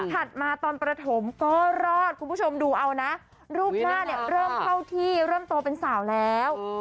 มาตอนประถมก็รอดคุณผู้ชมดูเอานะรูปหน้าเนี่ยเริ่มเข้าที่เริ่มโตเป็นสาวแล้ว